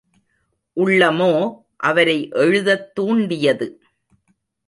உள்ளமோ அவரை எழுதத் தூண்டியது.